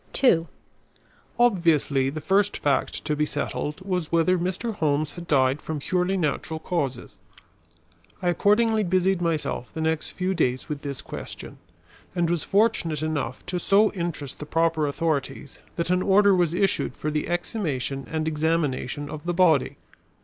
II. Obviously the first fact to be settled was whether Mr. Holmes had died from purely natural causes. I accordingly busied myself the next few days with this question, and was fortunate enough to so interest the proper authorities that an order was issued for the exhumation and examination of the body.